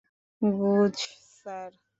Goodge, sir.